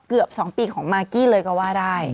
เกือบ๒ปีของมากกี้เลยก็ว่าได้